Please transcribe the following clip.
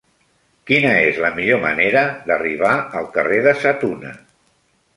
Quina és la millor manera d'arribar al carrer de Sa Tuna?